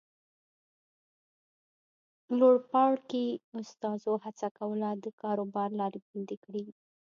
لوړپاړکي استازو هڅه کوله د کاروبار لارې بندې کړي.